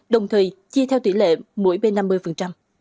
đồng thời chia theo tỷ lệ mỗi bên năm mươi